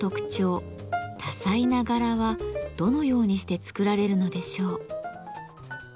多彩な柄はどのようにして作られるのでしょう？